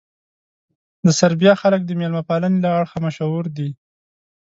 د سربیا خلک د مېلمه پالنې له اړخه مشهور دي.